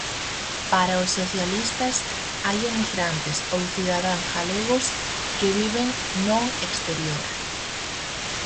Para os socialistas hai emigrantes ou "cidadáns galegos" que viven non exterior.